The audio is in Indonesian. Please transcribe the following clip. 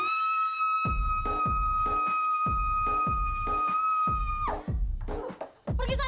ku naruh di bagus doang